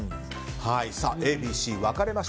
Ａ、Ｂ、Ｃ分かれました。